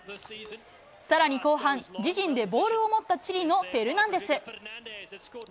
さらに後半、自陣でボールを持ったチリのフェルナンデス。